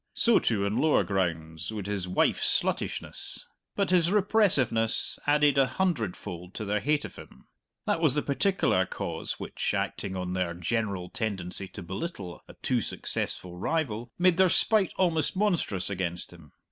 So, too, on lower grounds, would his wife's sluttishness. But his repressiveness added a hundredfold to their hate of him. That was the particular cause which, acting on their general tendency to belittle a too successful rival, made their spite almost monstrous against him.